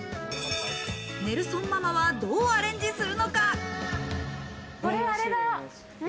ネルソンママはどうアレンジするのか？